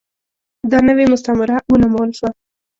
دا نوې مستعمره ونومول شوه.